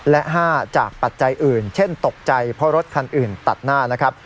และ๕จากปัจจัยอื่นเช่นตกใจเพราะรถคันอื่นตัดหน้านะครับ